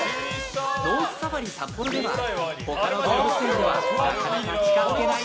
ノースサファリサッポロでは他の動物園ではなかなか近づけない